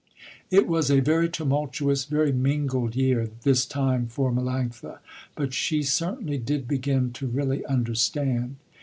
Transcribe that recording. It was a very tumultuous, very mingled year, this time for Melanctha, but she certainly did begin to really understand.